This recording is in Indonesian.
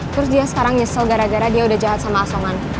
terus dia sekarang nyesel gara gara dia udah jahat sama asongan